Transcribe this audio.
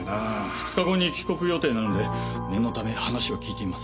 ２日後に帰国予定なので念のため話を聞いてみます。